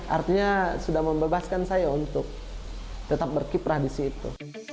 artinya sudah membebaskan saya untuk tetap berkiprah di situ